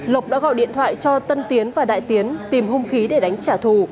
lộc đã gọi điện thoại cho tân tiến và đại tiến tìm hung khí để đánh trả thù